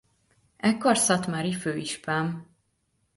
Ekkor szatmári főispán.